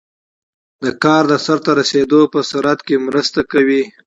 د کار د سرته رسیدو په سرعت کې مرسته کوي.